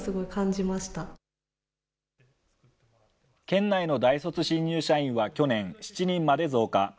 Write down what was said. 県内の大卒新入社員は去年、７人まで増加。